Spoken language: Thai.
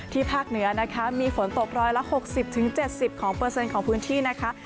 ภาคเหนือนะคะมีฝนตกร้อยละ๖๐๗๐ของเปอร์เซ็นต์ของพื้นที่นะคะ